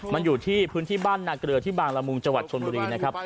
มันอยู่ที่พื้นที่บ้านนาเกลือที่บางละมุงจังหวัดชนบุรีนะครับ